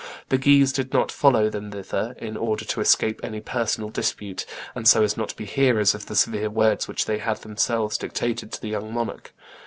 The Guises did not follow them thither, in order to escape any personal dispute, and so as not to be hearers of the severe words which they had themselves dictated to the young monarch.